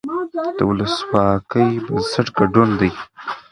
د ولسواکۍ بنسټ ګډون دی